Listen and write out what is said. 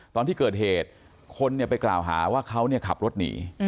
ตอนที่เกิดเหตุคนไปกล่าวหาว่าเขาขับรถหนี